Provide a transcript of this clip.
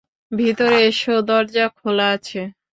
ভিতরে এসো, দরজা খোলা আছে।